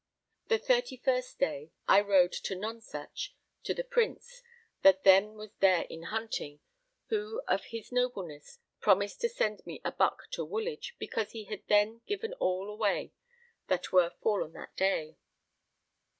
The 31st day, I rode to Nonsuch, to the Prince, that then was there in hunting, who of his nobleness promised to send me a buck to Woolwich, because he had then given all away that were fallen that day.